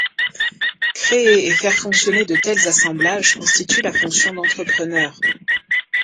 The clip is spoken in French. Créer et faire fonctionner de tels assemblages constitue la fonction d’entrepreneur.